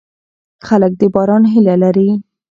خلک د باران هیله لري.